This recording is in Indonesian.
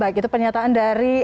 baik itu pernyataan dari